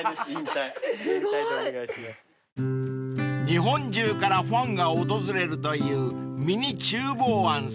［日本中からファンが訪れるというミニ厨房庵さん］